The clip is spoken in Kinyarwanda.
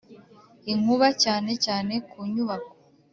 Inkuba cyane cyane ku nyubako